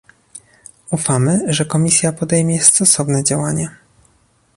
Ufamy, że Komisja podejmie stosowne działania